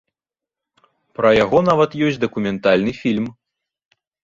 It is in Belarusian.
Пра яго нават ёсць дакументальны фільм.